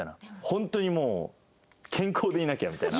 本当にもう健康でいなきゃみたいな。